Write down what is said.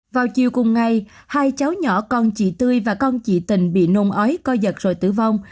vào chiều cùng ngày hai cháu nhỏ con chị tươi và con chị tình bị nôn ói coi giật rồi tử vong